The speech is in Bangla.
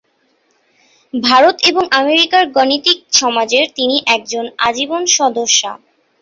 ভারত এবং আমেরিকার গাণিতিক সমাজের তিনি একজন আজীবন সদস্যা।